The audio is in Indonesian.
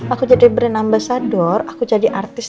aku jadi brand ambasador aku jadi artis